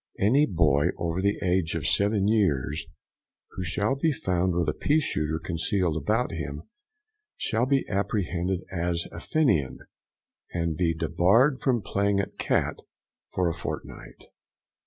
Any boy over the age of seven years, who shall be found with a pea shooter concealed about him, shall be apprehended as a Fenian, and be debarred from playing at cat for a fortnight.